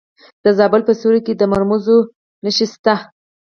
د زابل په سیوري کې د مرمرو نښې شته.